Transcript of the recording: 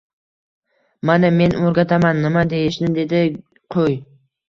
Mana, men oʻrgataman nima deyishni, dedi qoʻy